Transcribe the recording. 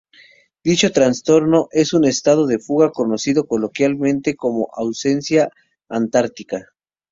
Dicho trastorno es un estado de fuga conocido coloquialmente como: "ausencia antártica".